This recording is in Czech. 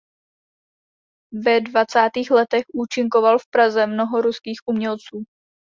Ve dvacátých letech účinkoval v Praze mnoho ruských umělců.